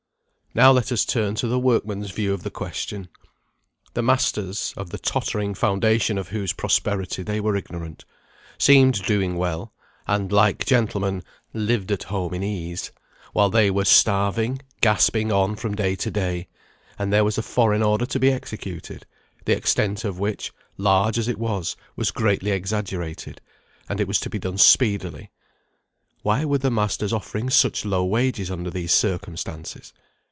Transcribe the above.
Now let us turn to the workmen's view of the question. The masters (of the tottering foundation of whose prosperity they were ignorant) seemed doing well, and like gentlemen, "lived at home in ease," while they were starving, gasping on from day to day; and there was a foreign order to be executed, the extent of which, large as it was, was greatly exaggerated; and it was to be done speedily. Why were the masters offering such low wages under these circumstances?